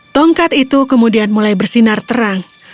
tongkat itu kemudian mulai bersinar terang